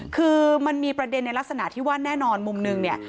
คือมันมีประเด็นในลักษณะที่ว่าแน่นอนมุมนึงเนี่ย